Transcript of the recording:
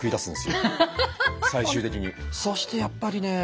そしてやっぱりね。